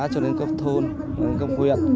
cho đến cấp thôn cấp huyện